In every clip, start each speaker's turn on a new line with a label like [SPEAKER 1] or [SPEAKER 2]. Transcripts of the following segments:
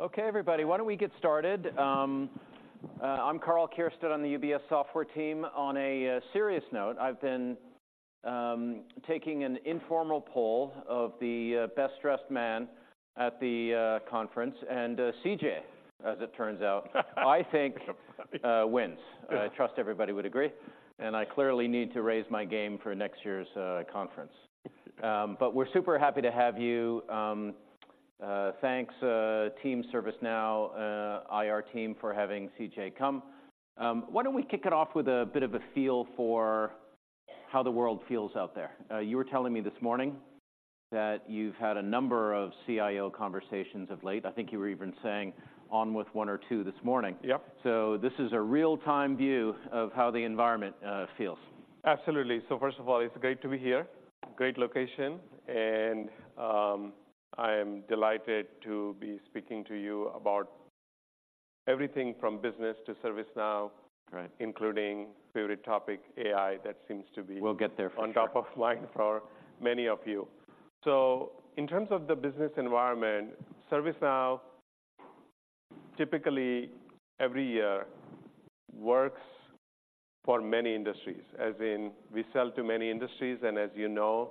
[SPEAKER 1] Okay, everybody, why don't we get started? I'm Karl Keirstead on the UBS software team. On a serious note, I've been taking an informal poll of the best-dressed man at the conference, and CJ, as it turns out, I think, wins. I trust everybody would agree, and I clearly need to raise my game for next year's conference. But we're super happy to have you. Thanks, team ServiceNow, IR team, for having CJ come. Why don't we kick it off with a bit of a feel for how the world feels out there? You were telling me this morning that you've had a number of CIO conversations of late. I think you were even saying on with one or two this morning.
[SPEAKER 2] Yep.
[SPEAKER 1] This is a real-time view of how the environment feels.
[SPEAKER 2] Absolutely. So first of all, it's great to be here, great location, and, I am delighted to be speaking to you about everything from business to ServiceNow-
[SPEAKER 1] Right
[SPEAKER 2] Including favorite topic, AI. That seems to be-
[SPEAKER 1] We'll get there for sure.
[SPEAKER 2] On top of mind for many of you. So in terms of the business environment, ServiceNow, typically every year, works for many industries, as in we sell to many industries, and as you know,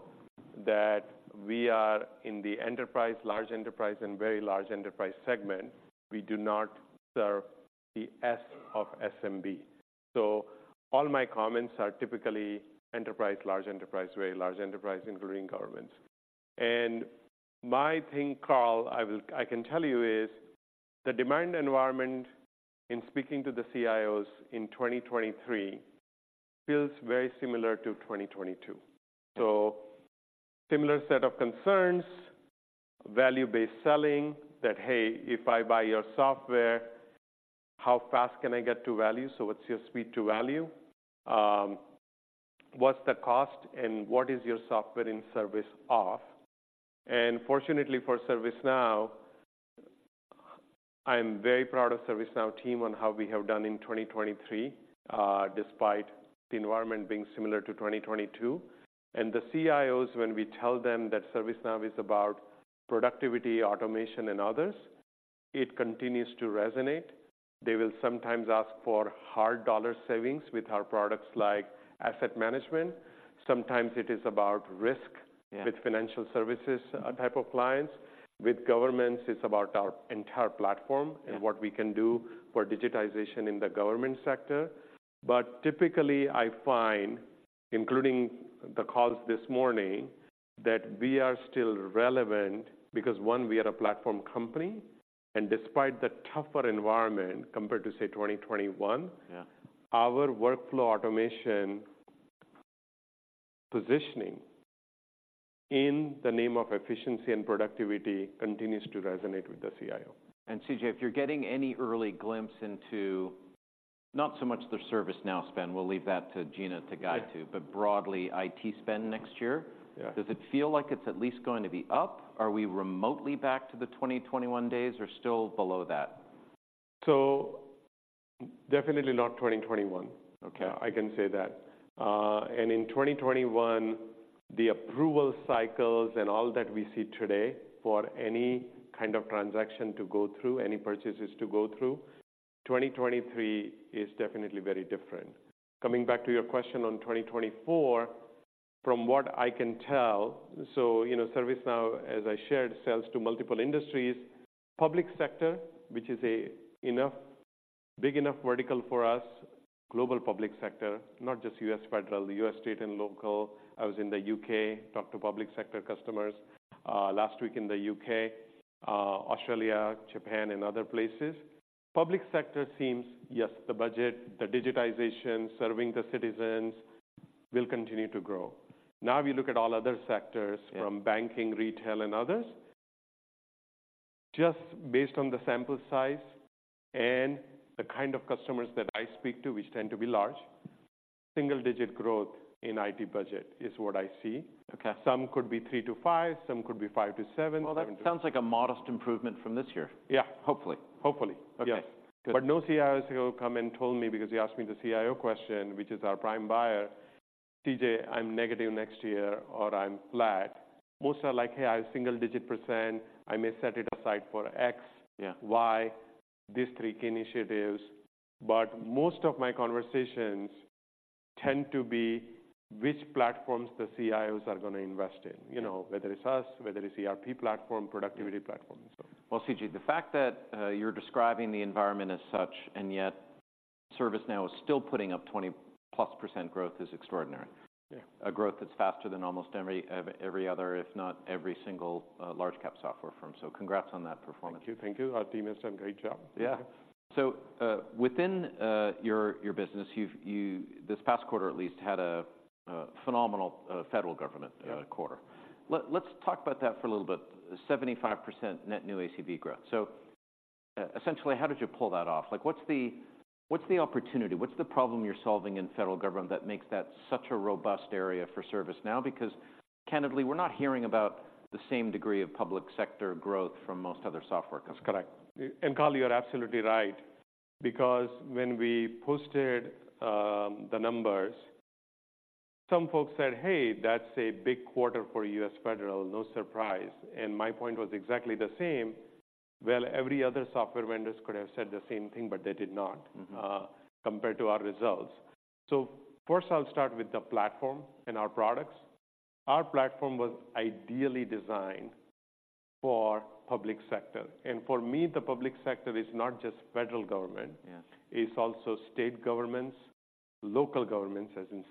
[SPEAKER 2] that we are in the enterprise, large enterprise, and very large enterprise segment. We do not serve the S of SMB. So all my comments are typically enterprise, large enterprise, very large enterprise, including governments. And my thing, Karl, I can tell you, is the demand environment in speaking to the CIOs in 2023 feels very similar to 2022. So similar set of concerns, value-based selling, that, "Hey, if I buy your software, how fast can I get to value? So what's your speed to value? What's the cost, and what is your software and ServiceOps?" Fortunately for ServiceNow, I'm very proud of ServiceNow team on how we have done in 2023, despite the environment being similar to 2022. The CIOs, when we tell them that ServiceNow is about productivity, automation, and others, it continues to resonate. They will sometimes ask for hard dollar savings with our products, like asset management. Sometimes it is about risk-
[SPEAKER 1] Yeah
[SPEAKER 2] With financial services, type of clients. With governments, it's about our entire platform-
[SPEAKER 1] Yeah
[SPEAKER 2] And what we can do for digitization in the government sector. But typically, I find, including the calls this morning, that we are still relevant because, one, we are a platform company, and despite the tougher environment compared to, say, 2021-
[SPEAKER 1] Yeah
[SPEAKER 2] Our workflow automation positioning in the name of efficiency and productivity continues to resonate with the CIO.
[SPEAKER 1] CJ, if you're getting any early glimpse into, not so much the ServiceNow spend, we'll leave that to Gina to guide to-
[SPEAKER 2] Yeah
[SPEAKER 1] But broadly, IT spend next year?
[SPEAKER 2] Yeah.
[SPEAKER 1] Does it feel like it's at least going to be up? Are we remotely back to the 2021 days or still below that?
[SPEAKER 2] So definitely not 2021, okay? I can say that. In 2021, the approval cycles and all that we see today for any kind of transaction to go through, any purchases to go through, 2023 is definitely very different. Coming back to your question on 2024, from what I can tell... So, you know, ServiceNow, as I shared, sells to multiple industries. Public sector, which is big enough vertical for us, global public sector, not just U.S. federal, the U.S. state and local. I was in the U.K., talked to public sector customers, last week in the U.K., Australia, Japan, and other places. Public sector seems, yes, the budget, the digitization, serving the citizens, will continue to grow. Now, if you look at all other sectors-
[SPEAKER 1] Yeah
[SPEAKER 2] From banking, retail, and others, just based on the sample size and the kind of customers that I speak to, which tend to be large, single-digit growth in IT budget is what I see.
[SPEAKER 1] Okay.
[SPEAKER 2] Some could be 3-5, some could be 5-7-
[SPEAKER 1] Well, that sounds like a modest improvement from this year.
[SPEAKER 2] Yeah.
[SPEAKER 1] Hopefully.
[SPEAKER 2] Hopefully.
[SPEAKER 1] Okay.
[SPEAKER 2] Yes.
[SPEAKER 1] Good.
[SPEAKER 2] But no CIO has come and told me, because you asked me the CIO question, which is our prime buyer, "CJ, I'm negative next year," or, "I'm flat." Most are like, "Hey, I have single-digit %. I may set it aside for X-
[SPEAKER 1] Yeah
[SPEAKER 2] Why, these three key initiatives. But most of my conversations tend to be which platforms the CIOs are gonna invest in, you know-
[SPEAKER 1] Yeah
[SPEAKER 2] Whether it's us, whether it's ERP platform-
[SPEAKER 1] Yeah
[SPEAKER 2] Productivity platform, and so on.
[SPEAKER 1] Well, CJ, the fact that you're describing the environment as such, and yet ServiceNow is still putting up 20%+ growth is extraordinary.
[SPEAKER 2] Yeah.
[SPEAKER 1] A growth that's faster than almost every, every other, if not every single, large cap software firm. So congrats on that performance.
[SPEAKER 2] Thank you. Thank you. Our team has done a great job.
[SPEAKER 1] Yeah. So, within your business, you've this past quarter at least had a phenomenal federal government-
[SPEAKER 2] Yeah
[SPEAKER 1] Quarter. Let's talk about that for a little bit. 75% net new ACV growth. So, essentially, how did you pull that off? Like, what's the, what's the opportunity? What's the problem you're solving in federal government that makes that such a robust area for ServiceNow? Because candidly, we're not hearing about the same degree of public sector growth from most other software companies.
[SPEAKER 2] That's correct. And Karl, you're absolutely right, because when we posted the numbers, some folks said, "Hey, that's a big quarter for U.S. federal, no surprise." And my point was exactly the same. Well, every other software vendors could have said the same thing, but they did not.
[SPEAKER 1] Mm-hmm.
[SPEAKER 2] Compared to our results. First, I'll start with the platform and our products. Our platform was ideally designed for public sector, and for me, the public sector is not just federal government.
[SPEAKER 1] Yeah.
[SPEAKER 2] It's also state governments, local governments, as in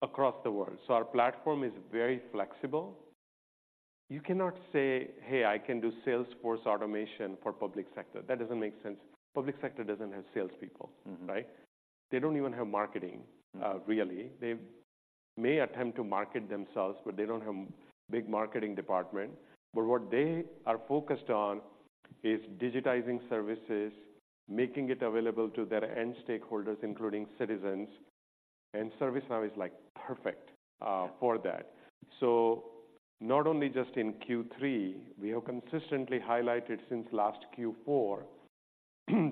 [SPEAKER 2] cities across the world. So our platform is very flexible. You cannot say, "Hey, I can do sales force automation for public sector." That doesn't make sense. Public sector doesn't have salespeople.
[SPEAKER 1] Mm-hmm.
[SPEAKER 2] Right? They don't even have marketing, really.
[SPEAKER 1] Mm.
[SPEAKER 2] They may attempt to market themselves, but they don't have big marketing department. But what they are focused on is digitizing services, making it available to their end stakeholders, including citizens, and ServiceNow is, like, perfect for that. So not only just in Q3, we have consistently highlighted since last Q4,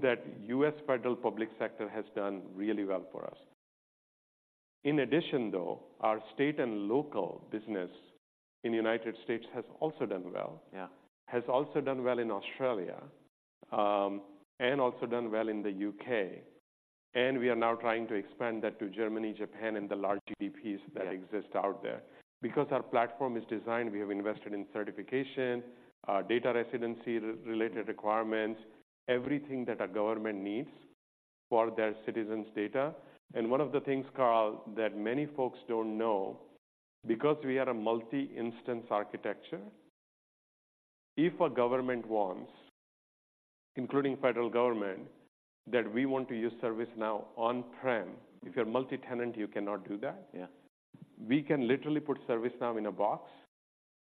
[SPEAKER 2] that U.S. federal public sector has done really well for us. In addition, though, our state and local business in the United States has also done well.
[SPEAKER 1] Yeah.
[SPEAKER 2] Has also done well in Australia, and also done well in the U.K., and we are now trying to expand that to Germany, Japan, and the large GDPs-
[SPEAKER 1] Yeah
[SPEAKER 2] That exist out there. Because our platform is designed, we have invested in certification, data residency-related requirements, everything that a government needs for their citizens' data. And one of the things, Karl, that many folks don't know, because we are a multi-instance architecture, if a government wants, including federal government, that we want to use ServiceNow on-prem, if you're multi-tenant, you cannot do that.
[SPEAKER 1] Yeah.
[SPEAKER 2] We can literally put ServiceNow in a box,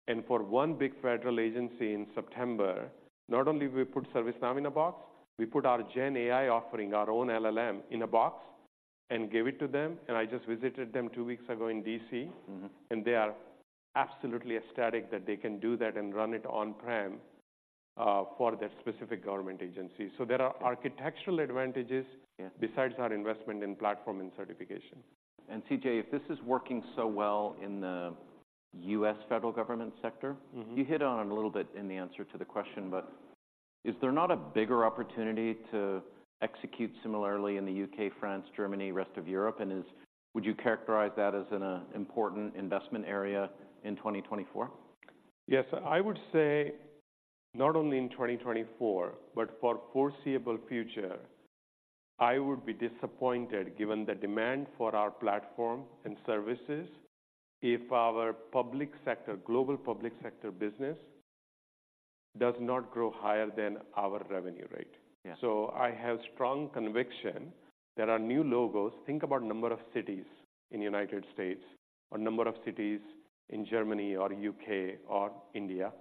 [SPEAKER 2] and for one big federal agency in September, not only we put ServiceNow in a box, we put our GenAI offering, our own LLM, in a box and gave it to them, and I just visited them two weeks ago in D.C.
[SPEAKER 1] Mm-hmm.
[SPEAKER 2] They are absolutely ecstatic that they can do that and run it on-prem for their specific government agency. There are architectural advantages-
[SPEAKER 1] Yeah
[SPEAKER 2] Besides our investment in platform and certification.
[SPEAKER 1] CJ, if this is working so well in the U.S. federal government sector-
[SPEAKER 2] Mm-hmm.
[SPEAKER 1] You hit on it a little bit in the answer to the question, but is there not a bigger opportunity to execute similarly in the U.K., France, Germany, rest of Europe, and would you characterize that as an important investment area in 2024?
[SPEAKER 2] Yes, I would say, not only in 2024, but for foreseeable future, I would be disappointed, given the demand for our platform and services, if our public sector, global public sector business, does not grow higher than our revenue rate.
[SPEAKER 1] Yeah.
[SPEAKER 2] So I have strong conviction there are new logos. Think about number of cities in United States, or number of cities in Germany, or U.K., or India,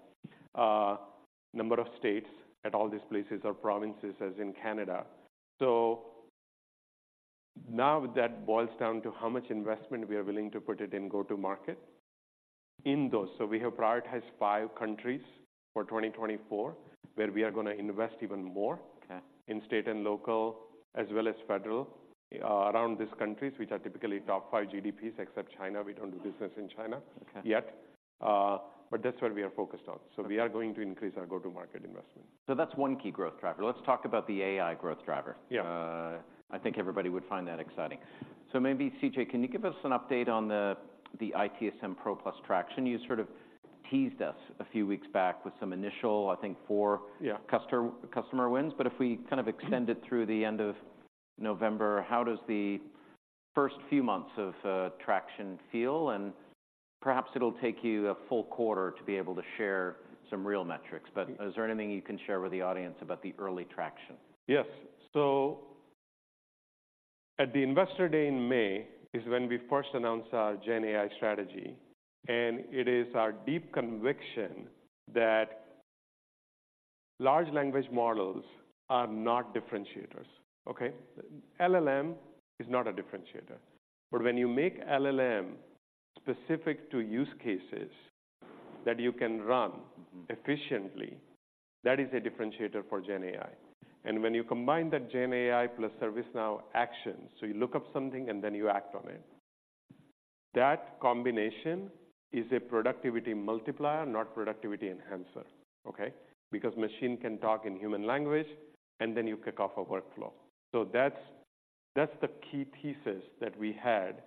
[SPEAKER 2] number of states at all these places, or provinces, as in Canada. So now, that boils down to how much investment we are willing to put it in go-to-market in those. So we have prioritized five countries for 2024, where we are gonna invest even more-
[SPEAKER 1] Okay...
[SPEAKER 2] in state and local, as well as federal, around these countries, which are typically top five GDPs, except China. We don't do business in China-
[SPEAKER 1] Okay
[SPEAKER 2] Yet. But that's what we are focused on. So we are going to increase our go-to-market investment.
[SPEAKER 1] So that's one key growth driver. Let's talk about the AI growth driver.
[SPEAKER 2] Yeah.
[SPEAKER 1] I think everybody would find that exciting. So maybe, CJ, can you give us an update on the ITSM Pro Plus traction? You sort of teased us a few weeks back with some initial, I think, four-
[SPEAKER 2] Yeah
[SPEAKER 1] Customer, customer wins. But if we kind of extend it through the end of November, how does the first few months of traction feel? And perhaps it'll take you a full quarter to be able to share some real metrics, but-
[SPEAKER 2] Yeah
[SPEAKER 1] Is there anything you can share with the audience about the early traction?
[SPEAKER 2] Yes. So at the Investor Day in May, is when we first announced our GenAI strategy, and it is our deep conviction that large language models are not differentiators. Okay? LLM is not a differentiator. But when you make LLM specific to use cases that you can run-
[SPEAKER 1] Mm-hmm...
[SPEAKER 2] efficiently, that is a differentiator for GenAI. And when you combine that GenAI plus ServiceNow actions, so you look up something and then you act on it, that combination is a productivity multiplier, not productivity enhancer, okay? Because machine can talk in human language, and then you kick off a workflow. So that's the key pieces that we had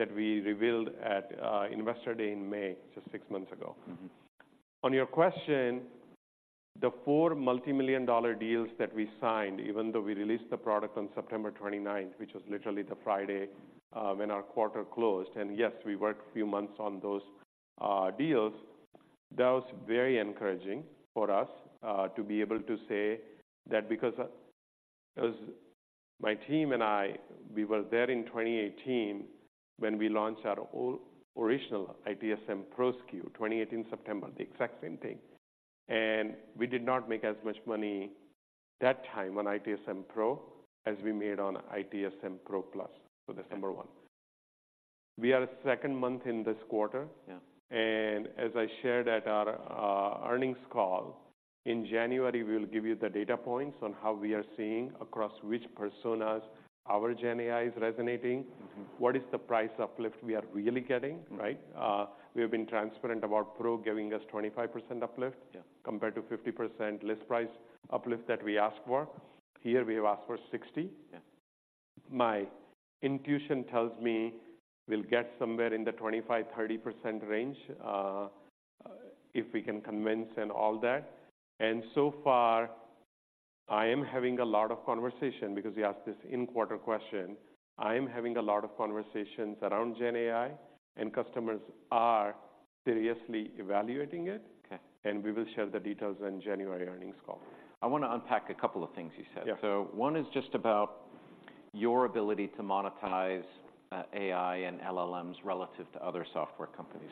[SPEAKER 2] that we revealed at Investor Day in May, just six months ago.
[SPEAKER 1] Mm-hmm.
[SPEAKER 2] On your question, the 4 multi-million-dollar deals that we signed, even though we released the product on September 29th, which was literally the Friday when our quarter closed, and yes, we worked a few months on those deals. That was very encouraging for us to be able to say that because, as my team and I, we were there in 2018 when we launched our old original ITSM Pro SKU, September 2018, the exact same thing, and we did not make as much money that time on ITSM Pro as we made on ITSM Pro Plus. So that's number one. We are second month in this quarter.
[SPEAKER 1] Yeah.
[SPEAKER 2] As I shared at our earnings call in January, we will give you the data points on how we are seeing across which personas our GenAI is resonating.
[SPEAKER 1] Mm-hmm.
[SPEAKER 2] What is the price uplift we are really getting, right? We have been transparent about Pro giving us 25% uplift-
[SPEAKER 1] Yeah.
[SPEAKER 2] Compared to 50% list price uplift that we ask for. Here, we have asked for 60%.
[SPEAKER 1] Yeah.
[SPEAKER 2] My intuition tells me we'll get somewhere in the 25%-30% range, if we can convince and all that. And so far, I am having a lot of conversation-- because you asked this in-quarter question, I am having a lot of conversations around GenAI, and customers are seriously evaluating it.
[SPEAKER 1] Okay.
[SPEAKER 2] We will share the details in January earnings call.
[SPEAKER 1] I want to unpack a couple of things you said.
[SPEAKER 2] Yeah.
[SPEAKER 1] So one is just about your ability to monetize, AI and LLMs relative to other software companies.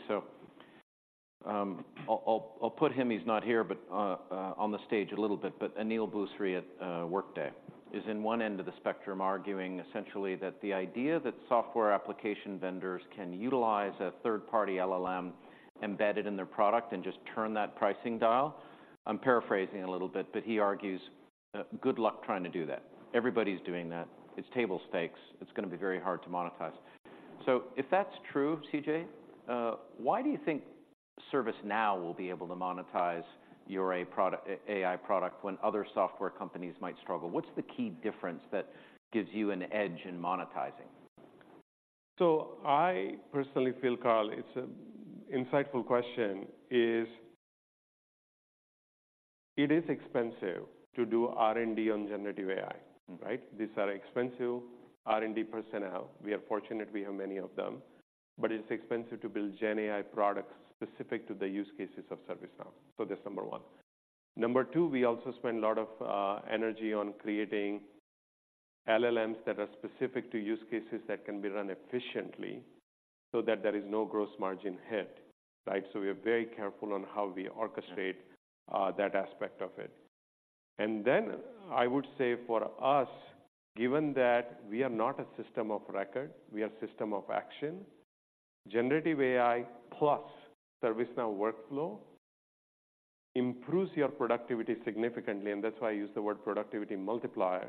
[SPEAKER 1] So, I'll put him, he's not here, but on the stage a little bit, but Aneel Bhusri at Workday is in one end of the spectrum, arguing essentially that the idea that software application vendors can utilize a third-party LLM embedded in their product and just turn that pricing dial. I'm paraphrasing a little bit, but he argues, "Good luck trying to do that. Everybody's doing that. It's table stakes. It's gonna be very hard to monetize." So if that's true, CJ, why do you think ServiceNow will be able to monetize your A product—AI product when other software companies might struggle? What's the key difference that gives you an edge in monetizing?
[SPEAKER 2] So I personally feel, Karl, it's an insightful question, is it expensive to do R&D on generative AI, right? These are expensive R&D personnel. We are fortunate we have many of them, but it's expensive to build GenAI products specific to the use cases of ServiceNow. So that's number one. Number two, we also spend a lot of energy on creating LLMs that are specific to use cases that can be run efficiently so that there is no gross margin hit, right? So we are very careful on how we orchestrate-
[SPEAKER 1] Yeah
[SPEAKER 2] That aspect of it. And then I would say for us, given that we are not a system of record, we are system of action, generative AI plus ServiceNow workflow improves your productivity significantly, and that's why I use the word productivity multiplier.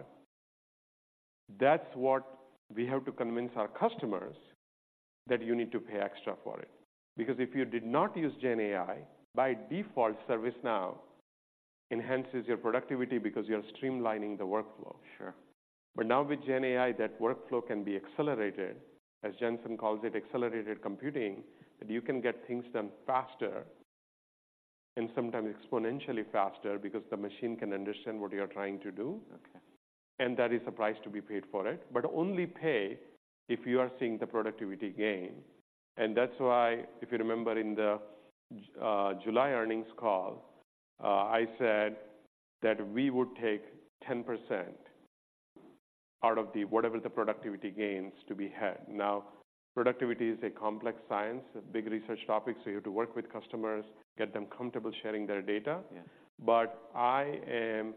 [SPEAKER 2] That's what we have to convince our customers, that you need to pay extra for it. Because if you did not use GenAI, by default, ServiceNow enhances your productivity because you're streamlining the workflow.
[SPEAKER 1] Sure.
[SPEAKER 2] But now with GenAI, that workflow can be accelerated, as Jensen calls it, accelerated computing, that you can get things done faster and sometimes exponentially faster because the machine can understand what you are trying to do.
[SPEAKER 1] Okay.
[SPEAKER 2] And there is a price to be paid for it, but only pay if you are seeing the productivity gain. And that's why, if you remember in the July earnings call, I said that we would take 10% out of the whatever the productivity gains to be had. Now, productivity is a complex science, a big research topic, so you have to work with customers, get them comfortable sharing their data.
[SPEAKER 1] Yeah.
[SPEAKER 2] But I am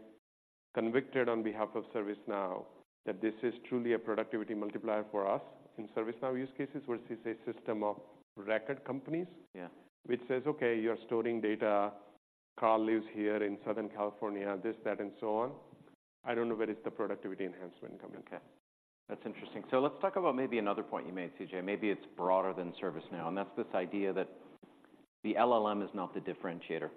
[SPEAKER 2] convinced on behalf of ServiceNow, that this is truly a productivity multiplier for us in ServiceNow use cases, versus a system of record companies-
[SPEAKER 1] Yeah
[SPEAKER 2] Which says: "Okay, you're storing data. Karl lives here in Southern California," this, that, and so on. I don't know where is the productivity enhancement coming from.
[SPEAKER 1] Okay, that's interesting. So let's talk about maybe another point you made, CJ. Maybe it's broader than ServiceNow, and that's this idea that the LLM is not the differentiator.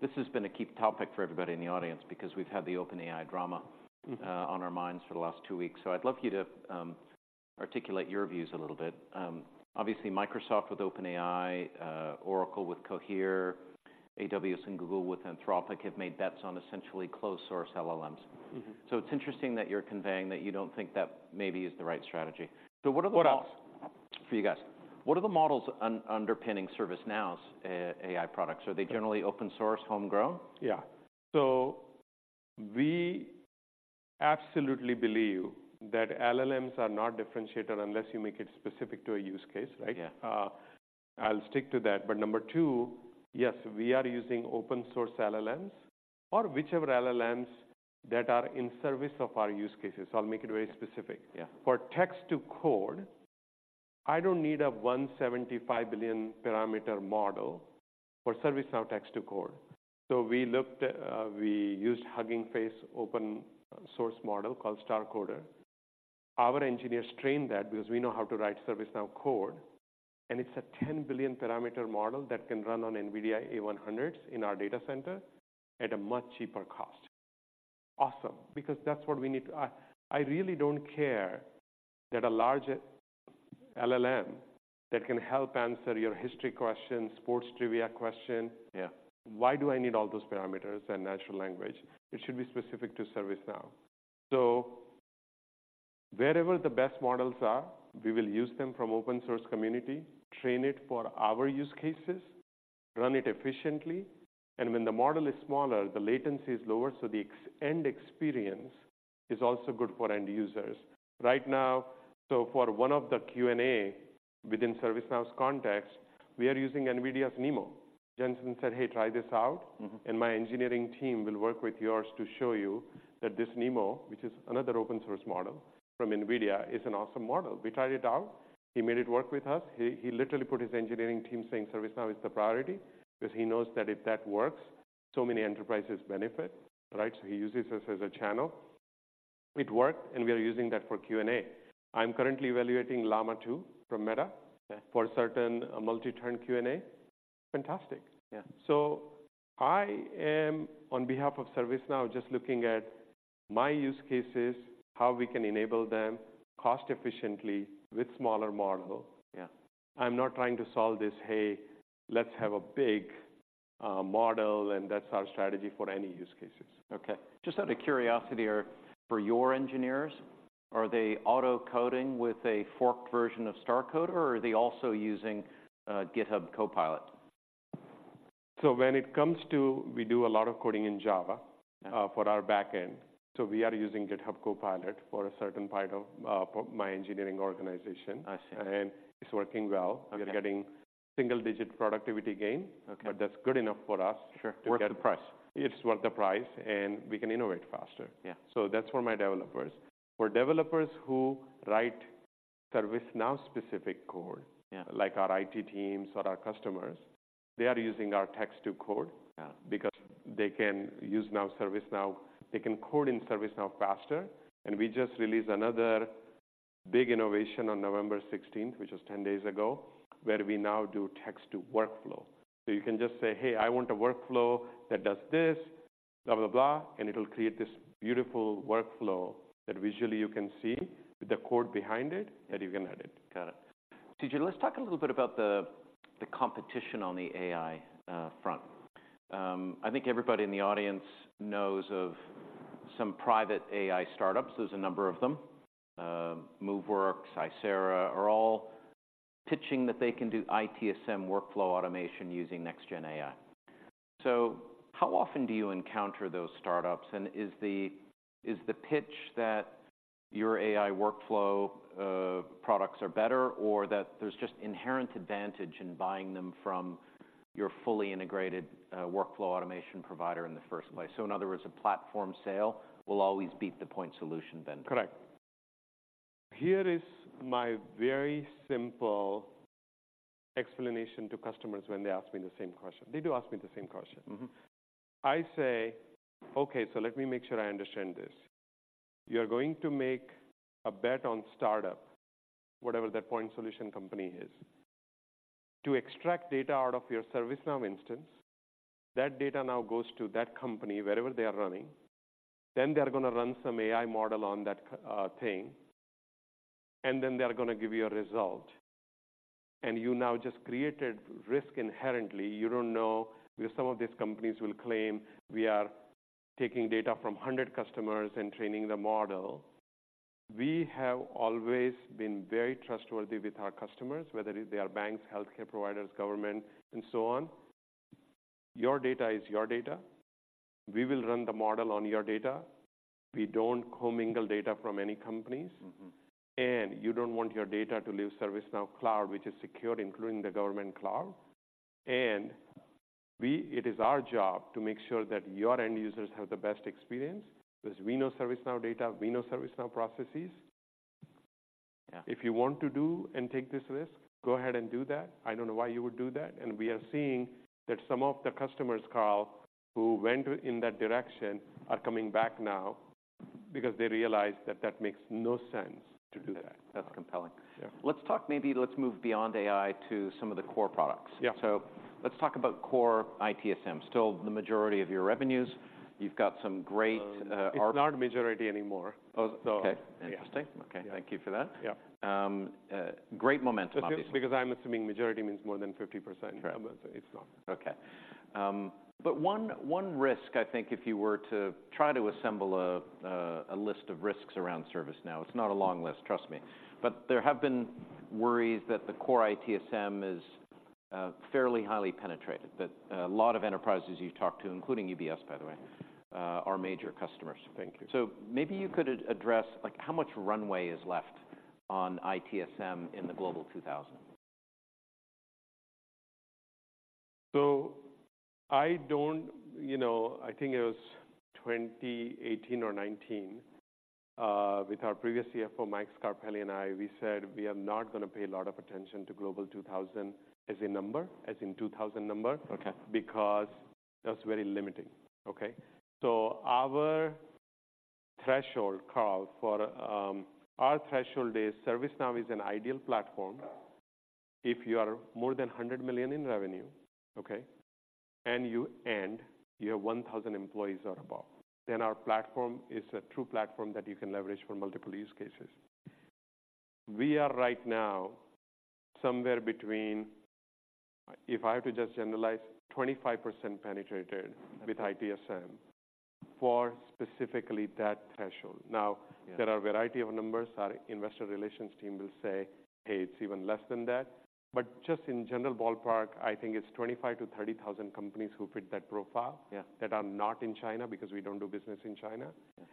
[SPEAKER 1] This has been a key topic for everybody in the audience because we've had the OpenAI drama-
[SPEAKER 2] Mm-hmm
[SPEAKER 1] On our minds for the last two weeks. So I'd love you to, articulate your views a little bit. Obviously, Microsoft with OpenAI, Oracle with Cohere, AWS and Google with Anthropic, have made bets on essentially closed-source LLMs.
[SPEAKER 2] Mm-hmm.
[SPEAKER 1] It's interesting that you're conveying that you don't think that maybe is the right strategy. What are the models-
[SPEAKER 2] What else?
[SPEAKER 1] For you guys. What are the models underpinning ServiceNow's AI products? Are they generally open source, homegrown?
[SPEAKER 2] Yeah. So we absolutely believe that LLMs are not differentiator unless you make it specific to a use case, right?
[SPEAKER 1] Yeah.
[SPEAKER 2] I'll stick to that. But number two, yes, we are using open source LLMs or whichever LLMs that are in service of our use cases. So I'll make it very specific.
[SPEAKER 1] Yeah.
[SPEAKER 2] For text to code, I don't need a 175 billion parameter model for ServiceNow text to code. So we looked at. We used Hugging Face open-source model called StarCoder. Our engineers trained that because we know how to write ServiceNow code, and it's a 10 billion parameter model that can run on NVIDIA A100 in our data center at a much cheaper cost. Awesome, because that's what we need. I really don't care that a large LLM that can help answer your history question, sports trivia question.
[SPEAKER 1] Yeah.
[SPEAKER 2] Why do I need all those parameters and natural language? It should be specific to ServiceNow. So wherever the best models are, we will use them from open source community, train it for our use cases, run it efficiently, and when the model is smaller, the latency is lower, so the end-to-end experience is also good for end users. Right now, so for one of the Q&A within ServiceNow's context, we are using NVIDIA's NeMo. Jensen said, "Hey, try this out-
[SPEAKER 1] Mm-hmm.
[SPEAKER 2] And my engineering team will work with yours to show you that this NeMo, which is another open source model from NVIDIA, is an awesome model." We tried it out. He made it work with us. He, he literally put his engineering team saying, "ServiceNow is the priority," 'cause he knows that if that works, so many enterprises benefit, right? So he uses us as a channel. It worked, and we are using that for Q&A. I'm currently evaluating Llama 2 from Meta-
[SPEAKER 1] Yeah
[SPEAKER 2] For certain multi-turn Q&A. Fantastic!
[SPEAKER 1] Yeah.
[SPEAKER 2] I am, on behalf of ServiceNow, just looking at my use cases, how we can enable them cost efficiently with smaller model.
[SPEAKER 1] Yeah.
[SPEAKER 2] I'm not trying to solve this, "Hey, let's have a big model, and that's our strategy for any use cases.
[SPEAKER 1] Okay. Just out of curiosity, for your engineers, are they auto-coding with a forked version of StarCoder, or are they also using GitHub Copilot?
[SPEAKER 2] When it comes to... We do a lot of coding in Java.
[SPEAKER 1] Yeah
[SPEAKER 2] For our back end, so we are using GitHub Copilot for a certain part of, for my engineering organization.
[SPEAKER 1] I see.
[SPEAKER 2] It's working well.
[SPEAKER 1] Okay.
[SPEAKER 2] We are getting single-digit productivity gain-
[SPEAKER 1] Okay
[SPEAKER 2] But that's good enough for us-
[SPEAKER 1] Sure
[SPEAKER 2] To get-
[SPEAKER 1] Worth the price.
[SPEAKER 2] It's worth the price, and we can innovate faster.
[SPEAKER 1] Yeah.
[SPEAKER 2] That's for my developers. For developers who write ServiceNow specific code-
[SPEAKER 1] Yeah
[SPEAKER 2] Like our IT teams or our customers, they are using our text to code-
[SPEAKER 1] Yeah
[SPEAKER 2] Because they can use now ServiceNow, they can code in ServiceNow faster. We just released another big innovation on November sixteenth, which was 10 days ago, where we now do text to workflow. So you can just say, "Hey, I want a workflow that does this, blah, blah, blah," and it'll create this beautiful workflow that visually you can see with the code behind it, and you can edit.
[SPEAKER 1] Got it. CJ, let's talk a little bit about the competition on the AI front. I think everybody in the audience knows of some private AI startups. There's a number of them. Moveworks, Aisera, are all pitching that they can do ITSM workflow automation using next gen AI. So how often do you encounter those startups, and is the pitch that your AI workflow products are better, or that there's just inherent advantage in buying them from your fully integrated workflow automation provider in the first place? So in other words, a platform sale will always beat the point solution vendor.
[SPEAKER 2] Correct. Here is my very simple explanation to customers when they ask me the same question. They do ask me the same question.
[SPEAKER 1] Mm-hmm.
[SPEAKER 2] I say: "Okay, so let me make sure I understand this. You're going to make a bet on startup, whatever that point solution company is, to extract data out of your ServiceNow instance. That data now goes to that company, wherever they are running. Then they are gonna run some AI model on that thing, and then they are gonna give you a result. And you now just created risk inherently. You don't know, because some of these companies will claim, 'We are taking data from 100 customers and training the model.' We have always been very trustworthy with our customers, whether they are banks, healthcare providers, government, and so on. Your data is your data. We will run the model on your data. We don't commingle data from any companies.
[SPEAKER 1] Mm-hmm.
[SPEAKER 2] You don't want your data to leave ServiceNow cloud, which is secured, including the government cloud. It is our job to make sure that your end users have the best experience, 'cause we know ServiceNow data, we know ServiceNow processes.
[SPEAKER 1] Yeah.
[SPEAKER 2] If you want to do and take this risk, go ahead and do that. I don't know why you would do that." We are seeing that some of the customers, Karl, who went in that direction are coming back now because they realize that that makes no sense to do that.
[SPEAKER 1] That's compelling.
[SPEAKER 2] Yeah.
[SPEAKER 1] Let's talk... Maybe let's move beyond AI to some of the core products.
[SPEAKER 2] Yeah.
[SPEAKER 1] So let's talk about core ITSM. Still the majority of your revenues. You've got some great,
[SPEAKER 2] It's not majority anymore.
[SPEAKER 1] Oh, okay.
[SPEAKER 2] So-
[SPEAKER 1] Interesting.
[SPEAKER 2] Yeah.
[SPEAKER 1] Okay, thank you for that.
[SPEAKER 2] Yeah.
[SPEAKER 1] Great momentum, obviously.
[SPEAKER 2] Because I'm assuming majority means more than 50%.
[SPEAKER 1] Yeah.
[SPEAKER 2] But it's not.
[SPEAKER 1] Okay. But one risk, I think, if you were to try to assemble a list of risks around ServiceNow, it's not a long list, trust me. But there have been worries that the core ITSM is fairly highly penetrated, that a lot of enterprises you've talked to, including UBS, by the way, are major customers.
[SPEAKER 2] Thank you.
[SPEAKER 1] So maybe you could address, like, how much runway is left on ITSM in the Global 2000?
[SPEAKER 2] So I don't... You know, I think it was 2018 or 2019, with our previous CFO, Mike Scarpelli and I, we said we are not gonna pay a lot of attention to Global 2000 as a number, as in 2000 number-
[SPEAKER 1] Okay
[SPEAKER 2] Because that's very limiting, okay? So our threshold, Karl, for... Our threshold is ServiceNow is an ideal platform if you are more than $100 million in revenue, okay? And you- and you have 1,000 employees or above, then our platform is a true platform that you can leverage for multiple use cases. We are right now somewhere between, if I were to just generalize, 25% penetrated-
[SPEAKER 1] Okay
[SPEAKER 2] With ITSM for specifically that threshold.
[SPEAKER 1] Yeah.
[SPEAKER 2] Now, there are a variety of numbers. Our investor relations team will say, "Hey, it's even less than that." But just in general ballpark, I think it's 25,000-30,000 companies who fit that profile-
[SPEAKER 1] Yeah
[SPEAKER 2] That are not in China, because we don't do business in China.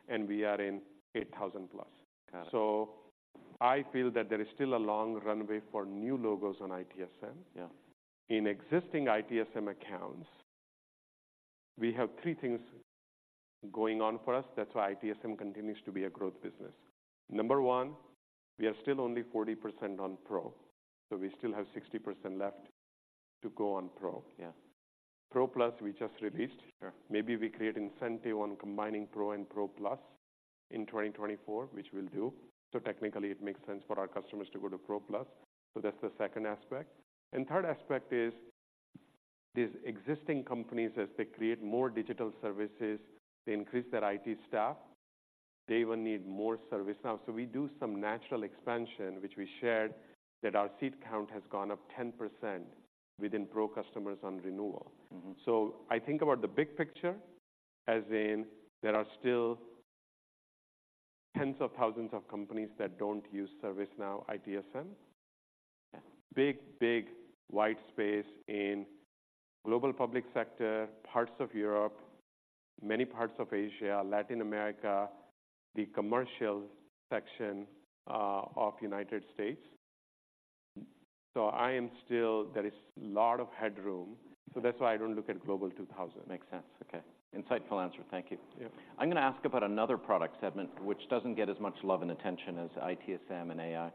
[SPEAKER 1] Yeah.
[SPEAKER 2] We are in 8,000+.
[SPEAKER 1] Got it.
[SPEAKER 2] I feel that there is still a long runway for new logos on ITSM.
[SPEAKER 1] Yeah.
[SPEAKER 2] In existing ITSM accounts, we have three things going on for us. That's why ITSM continues to be a growth business. Number one, we are still only 40% on Pro, so we still have 60% left to go on Pro.
[SPEAKER 1] Yeah.
[SPEAKER 2] Plus, we just released.
[SPEAKER 1] Sure.
[SPEAKER 2] Maybe we create incentive on combining Pro and Pro Plus in 2024, which we'll do. So technically, it makes sense for our customers to go to Pro Plus. So that's the second aspect. And third aspect is, these existing companies, as they create more digital services, they increase their IT staff, they will need more ServiceNow. So we do some natural expansion, which we shared, that our seat count has gone up 10% within Pro customers on renewal.
[SPEAKER 1] Mm-hmm.
[SPEAKER 2] I think about the big picture, as in there are still tens of thousands of companies that don't use ServiceNow ITSM.
[SPEAKER 1] Yeah.
[SPEAKER 2] Big, big, wide space in global public sector, parts of Europe, many parts of Asia, Latin America, the commercial section of United States. So I am still—There is a lot of headroom, so that's why I don't look at Global 2000.
[SPEAKER 1] Makes sense. Okay. Insightful answer. Thank you.
[SPEAKER 2] Yeah.
[SPEAKER 1] I'm gonna ask about another product segment, which doesn't get as much love and attention as ITSM and AI,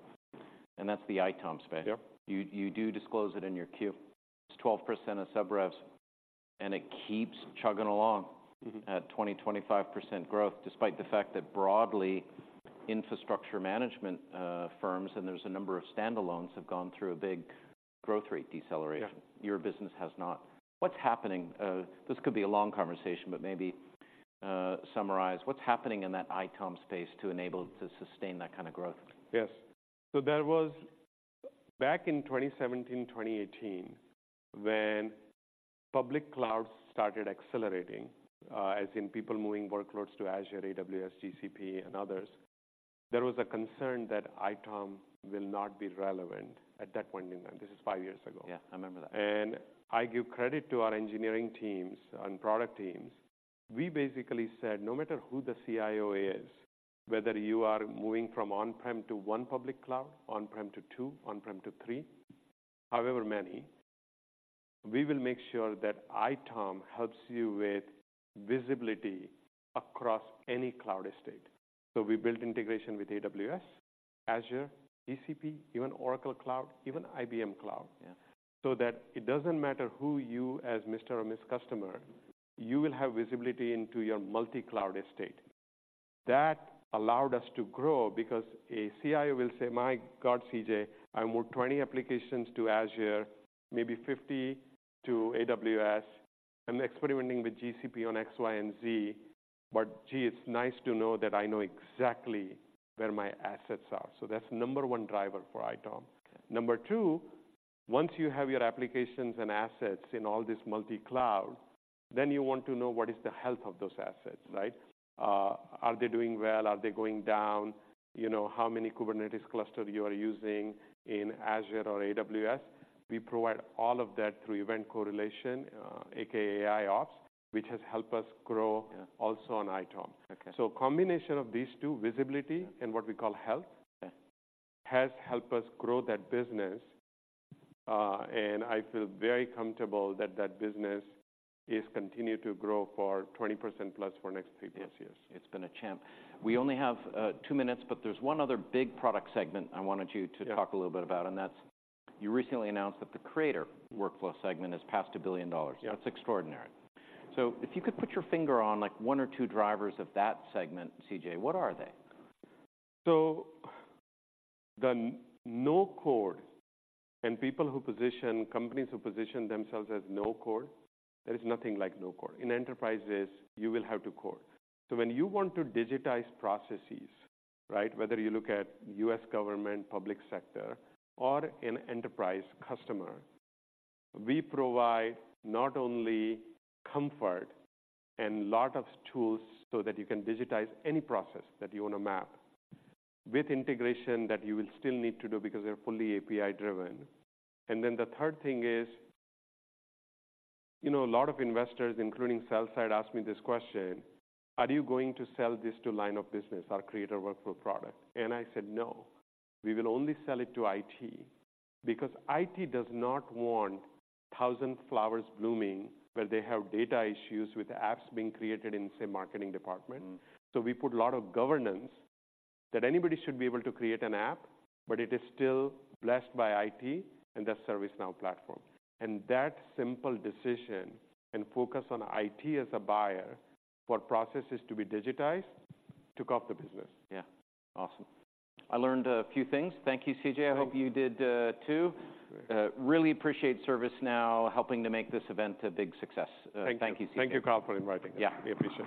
[SPEAKER 1] and that's the ITOM space.
[SPEAKER 2] Yeah.
[SPEAKER 1] You do disclose it in your Q. It's 12% of sub revs, and it keeps chugging along-
[SPEAKER 2] Mm-hmm
[SPEAKER 1] At 20%-25% growth, despite the fact that broadly, infrastructure management firms, and there's a number of standalones, have gone through a big growth rate deceleration.
[SPEAKER 2] Yeah.
[SPEAKER 1] Your business has not. What's happening? This could be a long conversation, but maybe, summarize. What's happening in that ITOM space to enable it to sustain that kind of growth?
[SPEAKER 2] Yes. Back in 2017, 2018, when public clouds started accelerating, as in people moving workloads to Azure, AWS, GCP, and others, there was a concern that ITOM will not be relevant at that point in time. This is five years ago.
[SPEAKER 1] Yeah, I remember that.
[SPEAKER 2] I give credit to our engineering teams and product teams. We basically said, "No matter who the CIO is, whether you are moving from on-prem to 1 public cloud, on-prem to 2, on-prem to 3, however many, we will make sure that ITOM helps you with visibility across any cloud estate." We built integration with AWS, Azure, GCP, even Oracle Cloud, even IBM Cloud.
[SPEAKER 1] Yeah.
[SPEAKER 2] So that it doesn't matter who you, as Mr. or Ms. Customer, you will have visibility into your multi-cloud estate. That allowed us to grow because a CIO will say, "My God, CJ, I moved 20 applications to Azure, maybe 50 to AWS. I'm experimenting with GCP on X, Y, and Z, but gee, it's nice to know that I know exactly where my assets are." So that's number one driver for ITOM.
[SPEAKER 1] Okay.
[SPEAKER 2] Two, once you have your applications and assets in all this multi-cloud, then you want to know what is the health of those assets, right? Are they doing well? Are they going down? You know, how many Kubernetes cluster you are using in Azure or AWS? We provide all of that through event correlation, aka AIOps, which has helped us grow-
[SPEAKER 1] Yeah
[SPEAKER 2] Also on ITOM.
[SPEAKER 1] Okay.
[SPEAKER 2] So, combination of these two, visibility and what we call health-
[SPEAKER 1] Yeah
[SPEAKER 2] Has helped us grow that business. And I feel very comfortable that that business is continued to grow for 20%+ for next three to five years.
[SPEAKER 1] Yes, it's been a champ. We only have two minutes, but there's one other big product segment I wanted you-
[SPEAKER 2] Yeah
[SPEAKER 1] To talk a little bit about, and that's: you recently announced that the Creator Workflow segment has passed $1 billion.
[SPEAKER 2] Yeah.
[SPEAKER 1] That's extraordinary. So if you could put your finger on, like, one or two drivers of that segment, CJ, what are they?
[SPEAKER 2] So the no-code, and companies who position themselves as no-code, there is nothing like no-code. In enterprises, you will have to code. So when you want to digitize processes, right, whether you look at U.S. government, public sector, or an enterprise customer, we provide not only comfort and lot of tools so that you can digitize any process that you want to map, with integration that you will still need to do because they're fully API-driven. And then the third thing is, you know, a lot of investors, including sell-side, ask me this question: "Are you going to sell this to line of business, our Creator Workflow product?" And I said, "No, we will only sell it to IT," because IT does not want thousand flowers blooming, where they have data issues with apps being created in, say, marketing department.
[SPEAKER 1] Mm.
[SPEAKER 2] We put a lot of governance that anybody should be able to create an app, but it is still blessed by IT and the ServiceNow platform. That simple decision and focus on IT as a buyer for processes to be digitized took off the business.
[SPEAKER 1] Yeah. Awesome. I learned a few things. Thank you, CJ.
[SPEAKER 2] Welcome.
[SPEAKER 1] I hope you did, too.
[SPEAKER 2] Great.
[SPEAKER 1] Really appreciate ServiceNow helping to make this event a big success.
[SPEAKER 2] Thank you.
[SPEAKER 1] Thank you, CJ.
[SPEAKER 2] Thank you, Karl, for inviting us.
[SPEAKER 1] Yeah.
[SPEAKER 2] We appreciate it.